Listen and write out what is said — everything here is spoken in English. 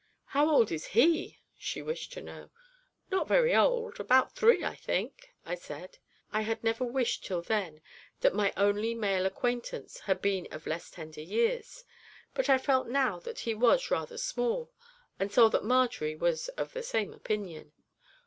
'How old is he?' she wished to know. 'Not very old about three, I think,' I said. I had never wished till then that my only male acquaintance had been of less tender years, but I felt now that he was rather small, and saw that Marjory was of the same opinion.